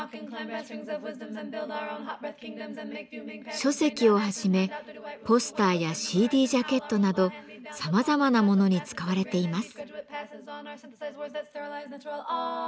書籍をはじめポスターやＣＤジャケットなどさまざまなものに使われています。